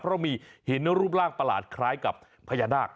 เพราะมีหินรูปร่างประหลาดคล้ายกับพญานาค